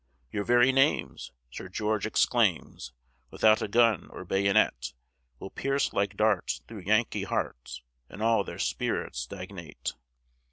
"Your very names," Sir George exclaims, "Without a gun or bayonet, Will pierce like darts through Yankee hearts, And all their spirits stagnate.